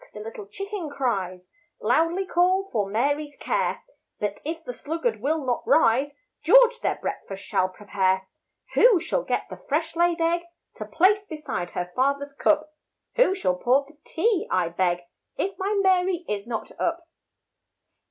the little chicken's cries, Loudly call for Mary's care, But if the sluggard will not rise, George their breakfast shall prepare. Who shall get the fresh laid egg, To place beside her father's cup? Who shall pour the tea, I beg, If my Mary is not up?